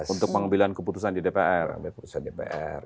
untuk pengambilan keputusan di dpr